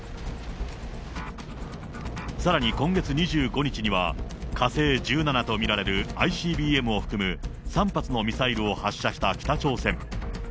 さらに今月２５日には、火星１７と見られるＩＣＢＭを含む３発のミサイルを発射した北朝鮮。